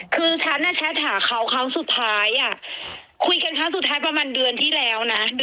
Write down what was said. คือฉันแชทหาเขาครั้งสุดท้ายคุยกันครั้งสุดท้ายประมาณเดือนที่แล้วนะ